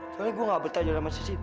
soalnya gue nggak betah aja sama sisi